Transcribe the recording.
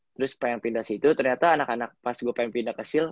terus pengen pindah situ ternyata anak anak pas gue pengen pindah ke syl